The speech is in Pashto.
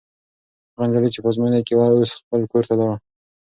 هغه نجلۍ چې په ازموینه کې وه، اوس خپل کور ته لاړه.